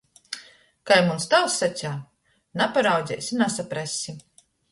Kai muns tāvs saceja, naparaudzeisi, nasaprassi.